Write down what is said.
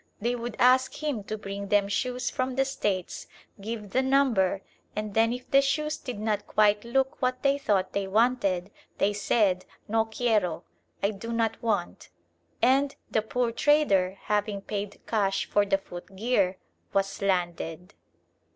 They would ask him to bring them shoes from the States, give the number, and then if the shoes did not quite look what they thought they wanted, they said "No quiero" ("I do not want"), and the poor trader, having paid cash for the footgear, was "landed."